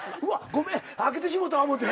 ごめん開けてしもうたわ思うて。